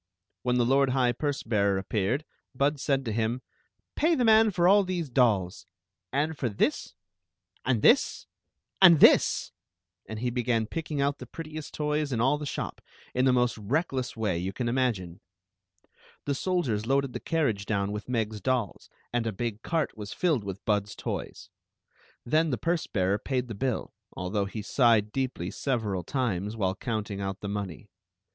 When the lord high purse bearer appeared, Bud said to him : "Pay the man for all these dolls; and for this— and this — and this — and this!" and he began pick Story of the Magic Cloak 95 "'Wt'u. TAKS 'MH JOX.' MCLAMS •OB." ing out the prettiest toys in all the shop, in the most reckless way you can imagine. The soldiers loaded the carriage down with Meg's . dolls, and a big cart was filled with Bud's toys. Then the purse bearer paid the bill, although he sighed deeply several times while counting out the money.